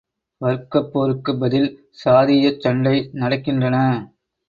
வர்க்கப்போருக்குப் பதில் சாதீயச் சண்டை நடக்கின்றன!